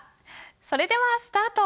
それではスタート。